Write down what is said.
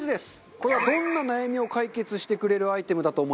これはどんな悩みを解決してくれるアイテムだと思いますか？